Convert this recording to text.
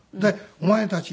「お前たち」。